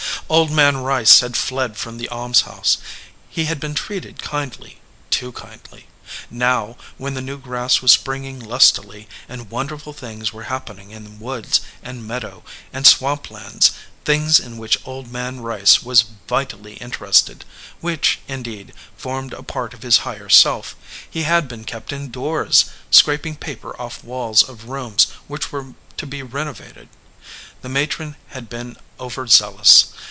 Old Man Rice had fled from the almshouse. He had been treated kindly, too kindly. Now, when the new grass was springing lustily, and wonderful things were happening in woods, and meadow, and swamp lands, things in which Old Man Rice was vitally interested, which , indeed, formed a part of his higher self, he had been kept indoors, scraping paper off walls of rooms which were to be reno vated. The matron had been over zealous.